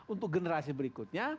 untuk generasi berikutnya